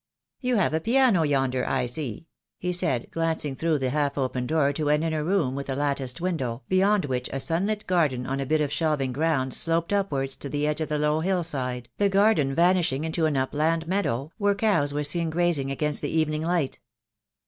"You have a piano yonder, I see," he said, glancing through the half open door to an inner room with a latticed window, beyond which a sunlit garden on a bit of shelving ground sloped upwards to the edge of the low hill side, the garden vanishing into an upland meadow, where cows were seen grazing against the evening light.